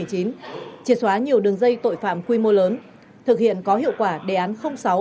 triệt xóa nhiều đường dây tội phạm quy mô lớn thực hiện có hiệu quả đề án sáu